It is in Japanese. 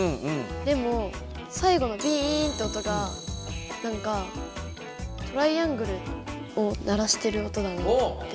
でも最後のビーンって音がなんかトライアングルを鳴らしてる音だなと思って。